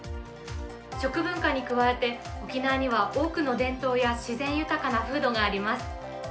食文化に加えて沖縄には多くの伝統や自然豊かな風土があります。